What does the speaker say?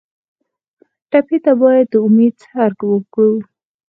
ټپي ته باید د امید څرک ورکړو.